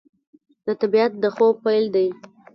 د طبیعت د خوب پیل دی